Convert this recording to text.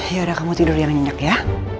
ya udah kamu tidur yang nyenyak ya